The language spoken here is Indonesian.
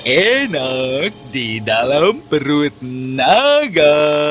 enak di dalam perut naga